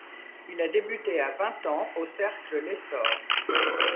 Il a débuté à vingt ans au cercle L'Essor.